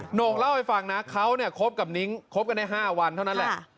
โหน่งเล่าให้ฟังนะเขาเนี่ยคบกับนิ้งคบกันได้๕วันเท่านั้นแหละ